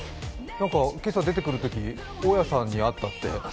今朝、出てくるときに大家さんに会ったって。